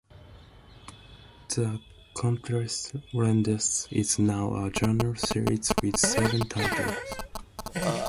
The "Comptes rendus" is now a journal series with seven titles.